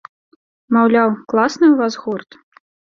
Маўляў, класны ў вас гурт?